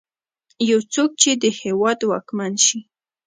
يو څوک چې د هېواد واکمن شي.